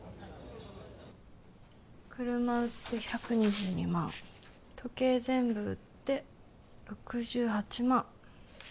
車売って１２２万時計全部売って６８万